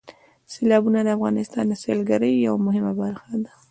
سیلابونه د افغانستان د سیلګرۍ یوه مهمه برخه ده.